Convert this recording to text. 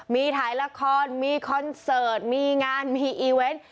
มีถ่ายละครมีคอนเสิร์ตมีงานมีอีเวนต์